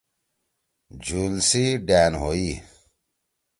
جُھول سی ڈأن ہوئی۔